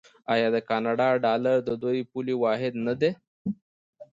آیا د کاناډا ډالر د دوی پولي واحد نه دی؟